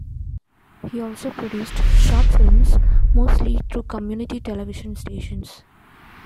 He also produced short films, mostly through community television stations.